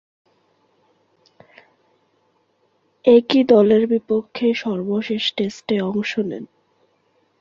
একই দলের বিপক্ষে সর্বশেষ টেস্টে অংশ নেন।